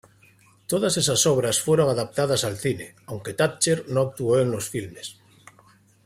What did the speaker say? Todas esas obras fueron adaptadas al cine, aunque Thatcher no actuó en los filmes.